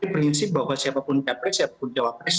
prinsip bahwa siapapun capres siapapun cawapres